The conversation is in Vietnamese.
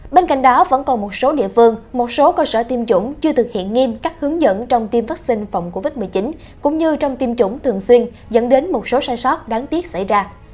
bên cạnh đó vẫn còn một số địa phương một số cơ sở tiêm chủng chưa thực hiện nghiêm các hướng dẫn trong tiêm vaccine phòng covid một mươi chín cũng như trong tiêm chủng thường xuyên dẫn đến một số sai sót đáng tiếc xảy ra